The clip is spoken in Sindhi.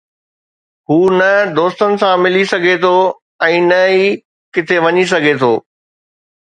هو نه دوستن سان ملي سگهي ٿو ۽ نه ئي ڪٿي وڃي سگهي ٿو